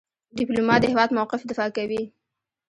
ډيپلومات د هیواد موقف دفاع کوي.